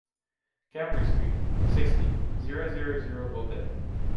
Cambry Street, sixty, zero zero zero Beauvais